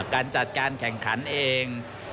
การจัดการแข่งขันเอง